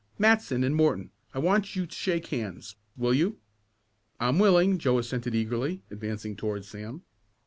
Matson and Morton, I want you to shake hands, will you?" "I'm willing," assented Joe eagerly, advancing toward Sam.